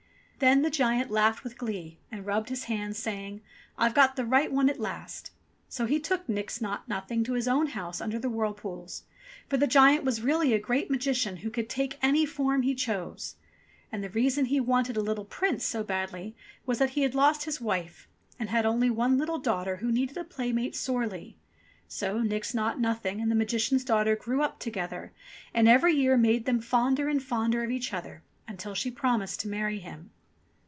'" Then the giant laughed with glee and rubbed his hands saying, "I've got the right one at last." So he took Nix Naught Nothing to his own house under the whirlpools ; for the giant was really a great Magician who could take any form he chose. And the reason he wanted a little prince so badly was that he had lost his wife, and had only one little daughter who needed a playmate sorely. So Nix Naught Nothing and the Magician's daughter grew up together and every year made them fonder and fonder of each other, until she promised to marry him.